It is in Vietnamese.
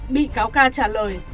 bị cáo ca trả lời